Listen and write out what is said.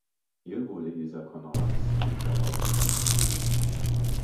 Hier wurde Ilsa Konrads im Vorlauf geschont.